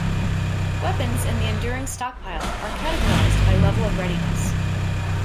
Weapons in the Enduring Stockpile are categorized by level of readiness.